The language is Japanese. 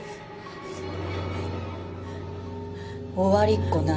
・終わりっこない。